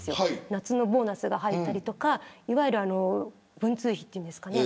夏のボーナスが入ったりとかいわゆる文通費というんですかね。